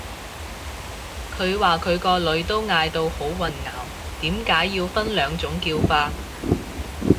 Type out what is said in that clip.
佢話佢個女都嗌到好混淆，點解要分兩種叫法